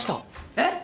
えっ？